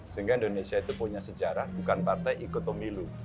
sehingga indonesia itu punya sejarah bukan partai ikut pemilu